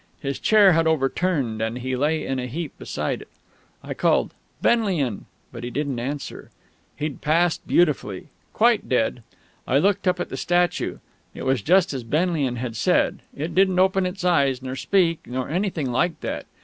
His chair had overturned, and he lay in a heap beside it. I called "Benlian!" but he didn't answer.... He'd passed beautifully; quite dead. I looked up at the statue. It was just as Benlian had said it didn't open its eyes, nor speak, nor anything like that.